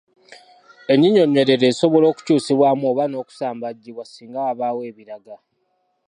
Ennyinyonnyolero esobola okukyusibwamu oba n’okusambajjibwa singa wabaawo ebiraga.